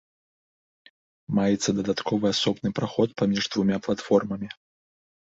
Маецца дадатковы асобны праход паміж двума платформамі.